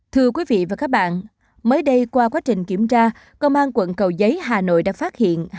thưa quý vị và các bạn mới đây qua quá trình kiểm tra công an quận cầu giấy hà nội đã phát hiện